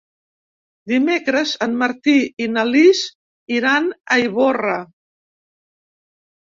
Dimecres en Martí i na Lis iran a Ivorra.